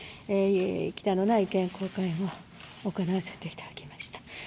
忌憚のない意見交換も行わせていただきました。